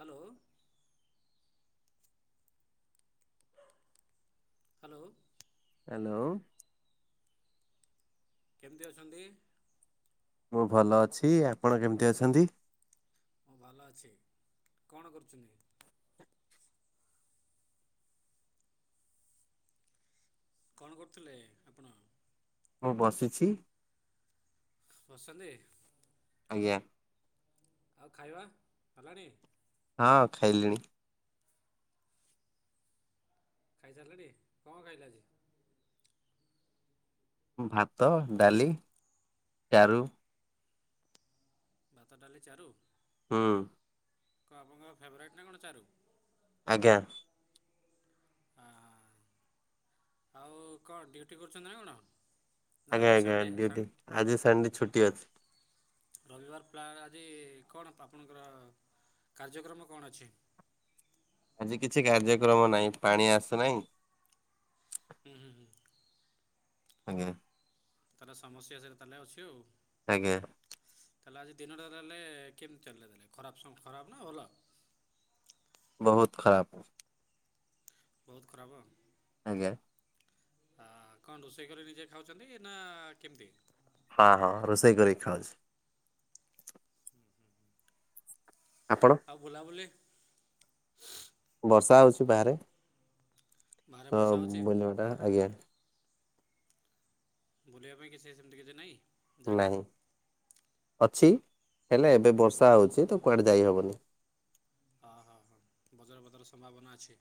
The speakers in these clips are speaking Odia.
ହାଲୋ। ହାଲୋ। ହାଲୋ। କେମିତି ଅଛନ୍ତି? ମୁଁ ଭଲ ଅଛି। ଆପଣ କେମିତି ଅଛନ୍ତି? ମୁଁ ଭଲ ଅଛି। କଣ କରୁଛନ୍ତି? କଣ କରୁଥିଲେ? ଆପଣ। ମୁଁ ବସିଛି। ବସିଛନ୍ତି। ଆଜ୍ଞା। ଆଉ ଖାଇବା ହେଲାଣି? ହଁ ଖାଇଲିଣି। ଖାଇ ସାରିଲେଣି କଣ ଖାଇଲେ ଆଜି? ଭାତ ଡାଲି - ଚାରୁ। ଭାତ ଡାଲି ଚାରୁ? ହୁଁ। କଣ ଆପଣଙ୍କ ଫେଭୋରାଇଟ୍ ନା କଣ ଚାରୁ? ଆଜ୍ଞା। ଆଁ - ଆଉ କଣ ଡିଉଟି କରୁଛନ୍ତି ନା କଣ? ନା ଆଜ୍ଞା! ଆଜି ଆଜ୍ଞା! ସନ୍ଡ଼େ ଡ୍ୟୁଟି ସନ୍ଡ଼େ ଆଜି ସାରିନି ଛୁଟି ଅଛି। ରବିବାର ପ୍ଲା ଆଜି କଣ ପାପଣଙ୍କର? କାର୍ଯ୍ୟକ୍ରମ କଣ ଅଛି? ଆଜି କିଛି କାର୍ଯ୍ୟକ୍ରମ ନାହିଁ। ପାଣି ଆସୁନାହିଁ। ହୁଁ ହୁଁ ହୁଁ। ଆଜ୍ଞା। ତାହାଲେ ସମସ୍ୟା ସେଠି ତାହେଲେ ଅଛି ଆଉ ଆଜ୍ଞା!। ତାହେଲେ ଆଜି ଦିନଟା ତାହେଲେ କେମିତି ଚାଲିଲା ତାହେଲେ ଖରାପ ସ ଖରାପ ନା ଭଲ? ବହୁତ ଖରାପ। ବହୁତ ଖରାପ। ଆଜ୍ଞା!। ଆ - କଣ ରୋଷେଇ କରି ନିଜେ ଖାଉଛନ୍ତି ନା କେମିତି? ହଁ ହଁ ରୋଷେଇ କରିକି ଖାଉଛି। ହୁଁ ହୁଁ ଆପଣ? ଆଉ ବୁଲାବୁଲି ବର୍ଷା ହଉଛି ବାହାରେ। ବାହାରେ ବର୍ଷା ହଁ ହେଉଛି ବୁଲିବା ଟା ଆଜ୍ଞା! ବୁଲିବା ପାଇଁ କିଛି ସେମିତି କିଛି ନାହିଁ। ଜାଗା ନାହିଁ, ଅଛି ହେଲେ ଏବେ ବର୍ଷା ହେଉଛି ତ କୁଆଡ଼େ ଯାଇହବନି। ହଁ ହଁ ହଁ ବଜର ବଜର ସମ୍ଭାବନା ଅଛି।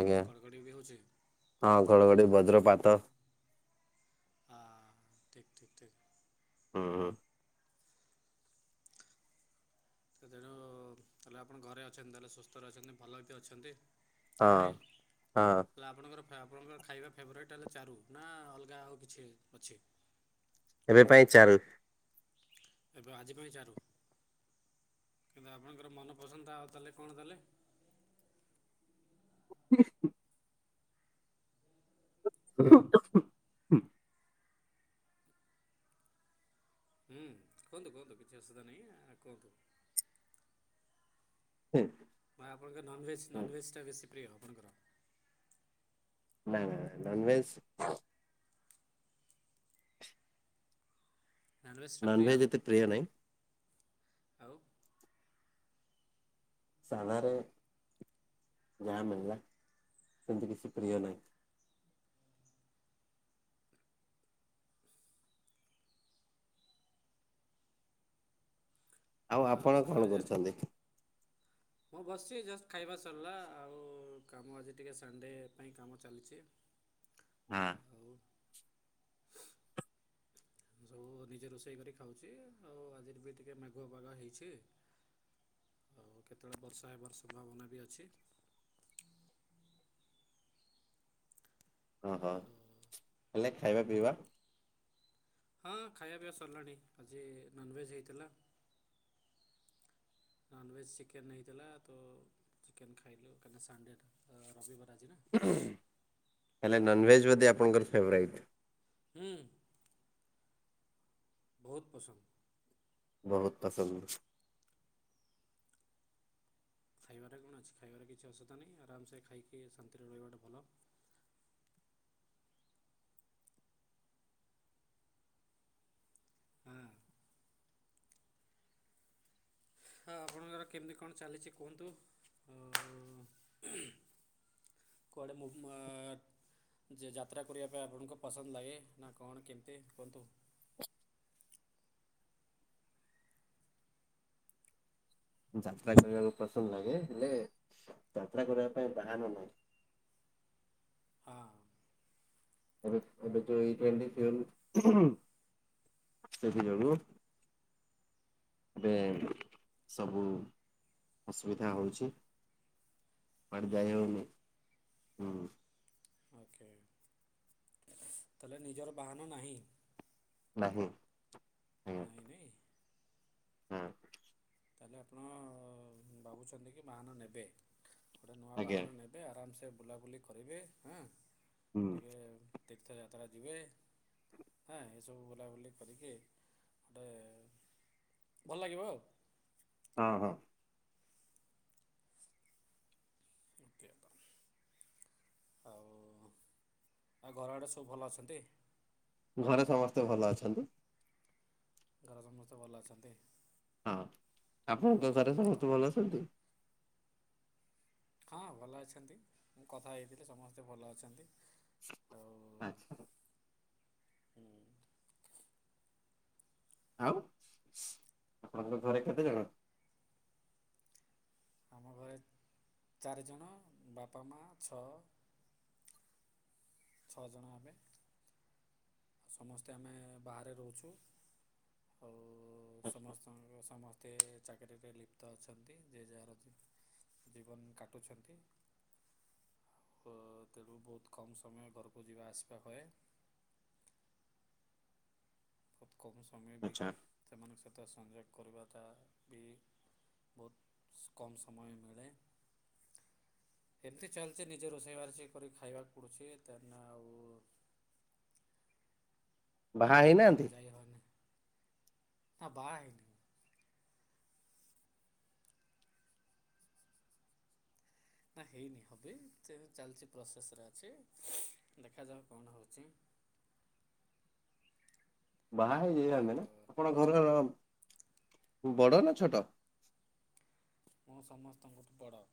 ଆଜ୍ଞା ଘଡ଼ ଘଡ଼ି ବି ହେଉଛି। ହଁ ଘଡ଼ଘଡ଼ି ବଜ୍ରପାତ ହାଁ ଠିକ୍ ଠିକ୍ ଠିକ୍। ହୁଁ ହୁଁ ସେ ତେଣୁ ତାହେଲେ ଆପଣ ଘରେ ଅଛନ୍ତି। ତାହେଲେ ସୁସ୍ଥରେ ଅଛନ୍ତି। ଭଲ ହେଇକି ଅଛନ୍ତି। ହଁ ହଁ। ତାହେଲା ଆପଣଙ୍କର ଆପଣଙ୍କର ଖାଇବା ଫେବରାଇଟ୍ ହେଲେ ଚାରୁ ନା ଅଲଗା ଆଉ କିଛି ଅଛି? ଏବେ ପାଇଁ ଚାରୁ। ଏବେ ଆଜି ପାଇଁ ଚାରୁ। କିନ୍ତୁ ଆପଣଙ୍କର ମନପସନ୍ଦ ଆଉ ତାହାଲେ କଣ ତାହାଲେ? [inaudible] [inaudible] ହୁଁ କୁହନ୍ତୁ କୁହନ୍ତୁ କିଛି ଅସୁବିଧା ନାହିଁ କୁହନ୍ତୁ। ହୁଁ। ମା ଆପଣଙ୍କ ନନ୍ଭେଜ୍ ନନ୍ଭେଜ୍ ଟା ବେଶୀ ପ୍ରିୟ ଆପଣଙ୍କର। ନାଇଁ ନାଇଁଁ ନାଇଁ ନନ୍ଭେଜ ନନଭେଜ୍ଟା ପ୍ରିୟ ନନଭେଜ୍ ଏତେ ପ୍ରିୟ ନାହିଁ ଆଉ ସାଧାରେ ଯାହା ମଳିଲା ସେମିତି କିଛି ପ୍ରିୟ ନାହିଁ। ଆଉ ଆପଣ କଣ ସାଧାରେ ଯା କରୁଛନ୍ତି? ମୁଁ ବସିଛି ଜଷ୍ଟ ଖାଇବା ସରିଲା ଆଉ କାମ ଆଜି ଟିକେ ସଣ୍ଡେ ପାଇଁ କାମ ଚାଲିଛି। ହାଁ। ଆଉ ମୁଁ ସବୁ ନିଜେ ରୋଷେଇ କରି ଖାଉଛି ଆଉ ଆଜିର ବି ଟିକେ ମେଘୁଆ ପାଗ ହେଇଛି। ଆଉ କେତେବେଳେ ବର୍ଷା ହେବାର ସମ୍ଭାବନା ବି ଅଛି। ହଁ ହଁ। [inaudible] ହେଲେ ଖାଇବା ପିଇବା। ହଁ ଖାଇବା ପିଇବା ସରିଲାଣି ଆଜି ନନଭେଜ ହେଇଥିଲା। ନନ୍ଭେଜ୍ ଚିକେନ୍ ହେଇଥିଲା ତ ଚିକେନ ଖାଇଲୁ କାହିଁକନା ସଣ୍ଡେ ରବିବାର ଆଜି ନା। ହେଲେ ନନଭେଜ ବୋଧେ ତେଣୁ ଆପଣଙ୍କର ଫେଭରାଇଟ। ହୁଁ। ବହୁତ ପସନ୍ଦ। ବହୁତ ପସନ୍ଦ। ଖାଇବାରେ କଣ ଅଛି ଖାଇବାର କିଛି ଅସୁବଧା ନାହିଁ ଆରାମସେ ଖାଇକି ଶାନ୍ତିରେ ରହିବାଟା ଭଲ। ଆ ହଁ ଆପଣଙ୍କର କେମିତି କଣ ଚାଲିଛି କୁହନ୍ତୁ। କୁଆଡ଼େ ମୁ ଯେ ଯାତ୍ରା କରିବା ପାଇଁ ଆପଣଙ୍କୁ ପସନ୍ଦ ଲାଗେ ନା କଣ କେମିତି କୁହନ୍ତୁ। ଯାତ୍ରା କରିବାକୁ ପସନ୍ଦ ଲାଗେ ହେଲେ ଯାତ୍ରା କରିବା ପାଇଁ ବାହାନ ନାହିଁ। ହଁ। ଏବେ ଏବେ ଯୋଇ ଟଣ୍ ସେଥି ଯୋଗୁଁ ଏବେ ସବୁ ଅସୁବିଧା ହଉଛି କୁଆଡେ ହୁଁ ଯାଇ ହଉନି ହୁଁ। ଓକେ ତାହେଲେ ନିଜର ବାହାନ ନାହିଁ। ନାହିଁ। ନାଇଁ ନାଇଁ। ନାଁ। ତାହେଲେ ଆପଣ ଭାବୁଛନ୍ତି କି ବାହାନ ନେବେ। ଗୋଟେ ନୂଆ ଆଜ୍ଞା ବାହାନ ନେ ଏବେ ଆରାମସେ ବୁଲାବୁଲି କରିବେ ହଁ ହୁଁ ଟିକେ ତୀର୍ଥଯାତ୍ରା ଯିବେ। ହଁ ଏସବୁ ବୁଲାବୁଲି କରିକି ଗୋଟେ ଭଲ ଲାଗିବ ଆଉ। ହଁ ହଁ। ଓକେ ତ ଆଉ ଆଉ ଘର ଆଡ଼େ ସବୁ ଭଲ ଅଛନ୍ତି। ଘରେ ସମସ୍ତେ ଭଲ ଅଛନ୍ତି। ଘର ସମସ୍ତେ ଭଲ ଅଛନ୍ତି। ହଁ ଆପଣଙ୍କ ଘରେ ହୁଁ କ ସମସ୍ତେ ଭଲ ଅଛନ୍ତି? ହଁ ଭଲ ଅଛନ୍ତି। ମୁଁ କଥା ହେଥିଲି ସମସ୍ତେ ଭଲ ଅଛନ୍ତି। ଆଉ ଆଚ୍ଛା। ହୁଁ ଆଉ ଆପଣଙ୍କର ଘରେ କେତେ ଜଣ? ଆମ ଘରେ ଚାରିଜଣ ବାପା ମା ଛଅ। ଛଅ ଜଣ ଆମେ। ସମସ୍ତେ ଆମେ ବାହାରେ ରହୁଛୁ। ଆଉ ସମସ୍ତଙ୍କ ସମସ୍ତ ଏତେ ଚାକିରିରେ ଲିପ୍ତ ଅଛନ୍ତି। ଯେ ଯାହାର ଜୀବନ କାଟୁଛନ୍ତି। ତ ତେଣୁ ବହୁତ କମ୍ ସମୟ ଘରକୁ ଯିବା ଆସିବା ହୁଏ। ବହୁତ କମ୍ ସମୟ ବି ଆଚ୍ଛା ସେମାନଙ୍କ ସହିତ ସଂଯୋଗ କରିବାଟା ବି ବହୁତ କମ୍ ସମୟ ମିଳେ। ଏମିତି ଚାଲିଛି ନିଜେ ରୋଷେଇବାର ସେ କର ଖାଇବାକୁ ପଡ଼ୁଛି ତନ ଆଉ ବାହା ହେଇନାହାନ୍ତି? କୁଆଡେ ଯାଇ ହବା ନାହିଁ। ଆ ବା ହେଇନି। ନା ହେଇନି ହେବି ସେ ଚାଲିଛି ପ୍ରୋସେସ୍ରେ ଅଛି। ଦେଖାଯାଉ କଣ ହେଉଛି। ବାହା ହେଇଯାଇ ଆମେ ନା ଆଉ ଆପଣ ଘରର ବଡ ନା ଛୋଟ ମଁ ସମସ୍ତଙ୍କୁଠିପଡ଼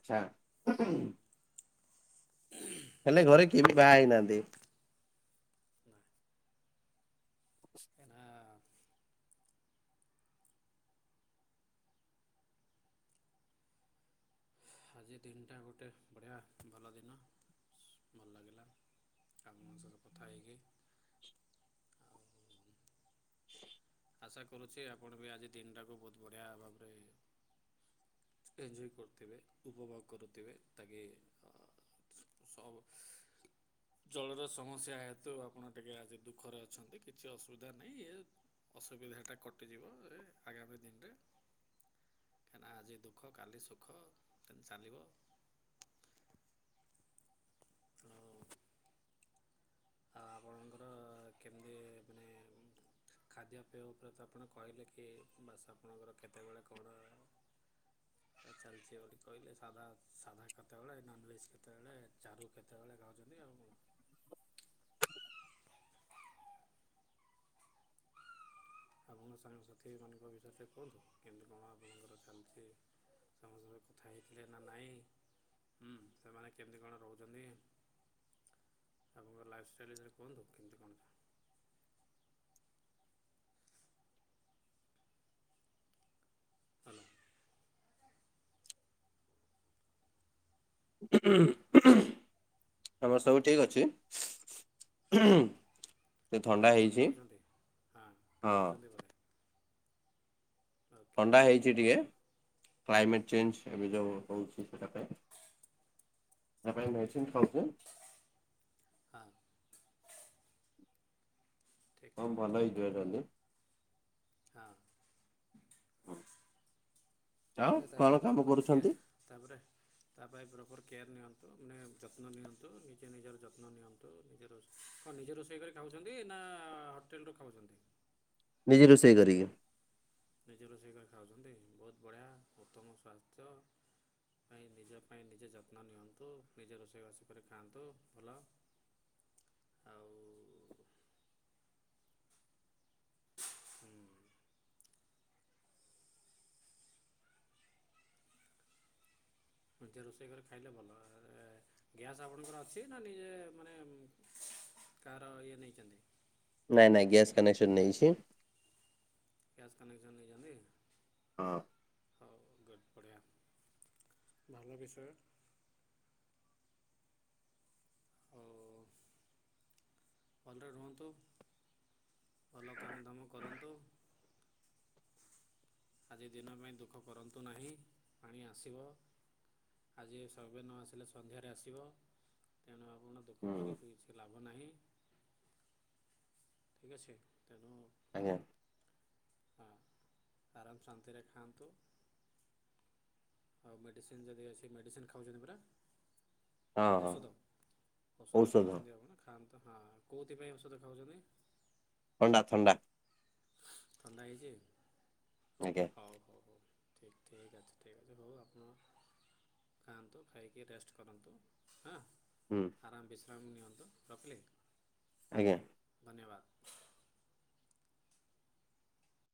ଆଚ୍ଛା। ହ ହେଲେ ଘରେ କିଏ ବି ବାହା ହେଇନାହାନ୍ତି। ନା। ଏ ଆଜି ଦିନଟା ଗୋଟେ ବଢ଼ିଆ ଭଲ ଦିନ ଭଲ ଲାଗିଲା ଆପଙ୍କ ସହିତ କଥା ହେଇକି। ଆଉ ଆଶା କରୁଛି ଆପଣ ବି ଆଜି ଦିନଟାକୁ ବହୁତ ବଢ଼ିଆ ଭାବରେ। ଏଞ୍ଜୟ କରୁଥିବେ ଉପଭୋଗ କରୁଥିବେ ତାକି ସ ଜଳର ସମସ୍ୟା ହେତୁ ଆପଣ ଟିକେ ଆଜି ଦୁଃଖରେ ଅଛନ୍ତି କିଛି ଅସୁବିଧା ନାହିଁ ଇ ଅସୁବିଧା ଟା କଟିଯିବ ଏ ଆଗାମୀ ଦିନରେ କାହିଁକିନା ଆଜି ଦୁଃଖ କାଲି ସୁଖ ତମିତି ଚାଲିବ। ହ। ଆ ଆପଣଙ୍କର କେମିତି ମାନେ ଖାଦ୍ୟପେୟ ଉପରେ ତ ଆପଣ କହିଲେ କି ବାସ ଆପଣଙ୍କର କେତେବେଳେ କଣ ଚାଲିଛି ଗଟେ କହିଲେ ସାଧା ସାଧା କେତେବେଳେ ନନ ଭେଜ କେତେବେଳେ ଚାରୁ କେତେବେଳେ ଖାଉଛନ୍ତି ଆଉ। ଆପଣଙ୍କ ସାଙ୍ଗସାଥିମାନଙ୍କ ବିଷୟରେ କୁହନ୍ତୁ କିନ୍ତୁ କଣ ଆପଣଙ୍କର ଚାନ୍ତି। ସମସ୍ତରେ କଥା ହେଇଥିଲେ ନା ନାଇଁୁଁ ସେମାନେ କେମିତି କଣ ରହୁଛନ୍ତି। ତାପଙ୍କର ଲାଇଫଷ୍ଟାଇଲ୍ ଭଥିରେ କୁହନ୍ତୁ କେମିତି କଣ? [unintelligible] ହ୍ୟାଲୋ ଆମର ସବୁ ଠିକ ଅଛି। ହୁଁ ସେ ଆରେ ଥଣ୍ଡା ଆପଣ ହେଇଛି ଖାଉଛନ୍ତି? ହଁ ହଁ। ଖାଉଛନ୍ତି ବୋଧେ ଓକେ ଥଣ୍ଡା ହେଇଛି ଟିକେ ହଉ ହୁଁ କ୍ଲାଇମେଟ୍ ଚେଞ୍ଜ ଏବେ ଯେଉଁ ରଉଛି ସେଇଟା ପାଇଁ। ତା ପାଇଁ ନାଇ ହୁଁ ହୁଁ ହୁଁ ଉଜେଣ୍ଡ ହଁ। ଠିକ୍ ହଁ ଠିକ୍ ଭଲ ଠିକ୍ ହେଇଯିବ ଟହଲେ ହଁ ଆଉ ଆପ କଣ କାମ କରୁଛନ୍ତି? ତାପରେ ତା ପାଇଁ ପ୍ରପର୍ କେୟାର୍ ନିଅନ୍ତୁ ମାନେ ଯତ୍ନ ନିଅନ୍ତୁ ନିଜେ ନିଜର ଯତ୍ନ ନିଅନ୍ତୁ। ତ ନିଜ ର କଣ ନିଜ ରୋଷେଇ କରି ଖାଉଛନ୍ତି ନା ହୋଟେଲରୁ ଖାଉଛନ୍ତି। ନିଜେ ରୋଷେଇ କରିକି ନିଜ ରୋଷେଇ କରି ଖାଉଛନ୍ତି ବହୁତ ବଢ଼ିଆ ଉତ୍ତମ ସ୍ୱାସ୍ଥ୍ୟ ପାଇଁ ନିଜ ପାଇଁ ନିଜେ ଯତ୍ନ ନିଅନ୍ତୁ ନିଜେ ରୋଷେଇ ଘସ କରି ଖାଆନ୍ତୁ ଭଲ ଆଉ ହୁଁ। ନିଜ ରୋଷେଇ କରିରେ ଖାଇଲେ ଭଲ ଗ୍ୟାସ୍ ଆପଣଙ୍କର ଅଛି ନା ନିଜେ ମାନେ କାହାର ଇଏ ନେଇଛନ୍ତି। ନାଇଁ ନାଇଁ ଗ୍ୟାସ କନେକ୍ସନ ନେଇଛି। ଗ୍ୟାସ୍ କନେକ୍ସନ୍ ନେଇଛନ୍ତି। ହଁ। ହଉ ଗଟ୍ ବଢ଼ିଆ ଭଲ ବିଷୟ ହଉ। ଭଲରେ ରୁହନ୍ତୁ। ଭଲ କାମଧାମ କରନ୍ତୁ। ଆଜି ଦିନ ପାଇଁ ଦୁଃଖ କରନ୍ତୁ ନାହିଁ ପାଣି ଆସିବ। ଆଜି ସବେ ନ ଆସିଲେ ସନ୍ଧ୍ୟାରେ ଆସିବ ତେଣୁ ଆପଣ ଦୁଃଖ ହୁଁ କରିକି କିଛି ଲାଭ ନାହିଁ। ଠିକ୍ ଅଛି ତେଣୁ ଆଜ୍ଞା। ହଁ ଆରାମ ଶାନ୍ତିରେ ଖାଆନ୍ତୁ। ଆଉ ମେଡ଼ିସିନ ଯଦି ଅଛି ମେଡ଼ିସିନ ଖାଉଛନ୍ତି ପରା ହଁ ହଁ ଔଷଧ ଔଷଧ ଖାଉଛନ୍ତି ଆପଣ ଖାଆନ୍ତ ହଁ କୋଉଥିପାଇଁ ଔଷଧ ଖାଉଛନ୍ତି। ଥଣ୍ଡା ଥଣ୍ଡା। ଥଣ୍ଡା ହେଇଛି ଆଜ୍ଞା। ହେଉ ହଉ ହଉ ଠିକ୍ ଠିକ୍ ଅଛି। ଠିକ୍ ଅଛି ଭଉ ଆପଣ ଖାଆନ୍ତୁ ଖାଇକି ରେଷ୍ଟ କରନ୍ତୁ ହଁ। ହୁଁ। ଆରାମ ବିଶ୍ରାମ ନିଅନ୍ତୁ ରଖିଲି। ଆଜ୍ଞା। ଧନ୍ୟବାଦ।